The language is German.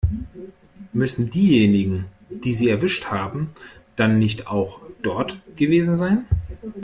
Müssen diejenigen, die sie erwischt haben, dann nicht auch dort gewesen sein?